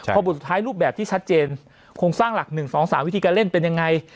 พอบทสุดท้ายรูปแบบที่ชัดเจนโครงสร้างหลัก๑๒๓วิธีการเล่นเป็นยังไง